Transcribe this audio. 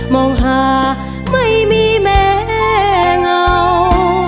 มองหาไม่มีแม่เหงา